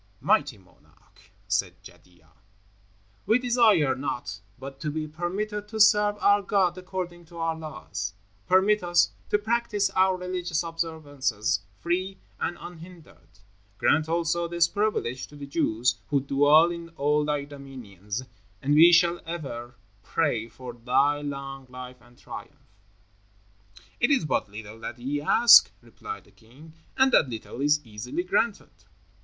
"Mighty monarch," said Jadua, "we desire naught but to be permitted to serve our God according to our laws. Permit us to practice our religious observances free and unhindered. Grant also this privilege to the Jews who dwell in all thy dominions, and we shall ever pray for thy long life and triumph." "It is but little that ye ask," replied the king, "and that little is easily granted."